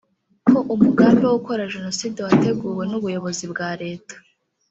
ko umugambi wo gukora jenoside wateguwe n ubuyobozi bwa leta